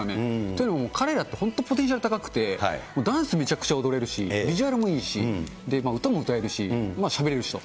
というのも、彼らって、本当ポテンシャルが高くて、ダンスめちゃくちゃ踊れるし、ビジュアルもいいし、歌も歌えるし、しゃべれるしと。